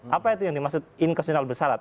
apa itu yang dimaksud incutional bersarat